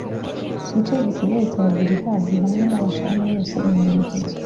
igice gisigaye cya gilihadi hamwe na bashani yose ihinda umushyitsi